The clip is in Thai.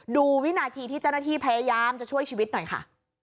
วินาทีที่เจ้าหน้าที่พยายามจะช่วยชีวิตหน่อยค่ะ